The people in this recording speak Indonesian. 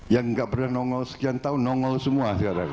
yang gak pernah nongol sekian tahun nongol semua